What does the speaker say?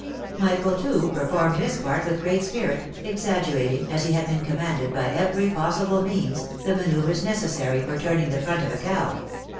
Michael, too, performed his part with great spirit, exaggerating, as he had been commanded, by every possible means, the manoeuvres necessary for turning the front of a cow.